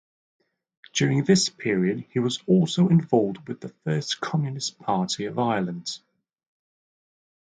During this period he was also involved with the first Communist Party of Ireland.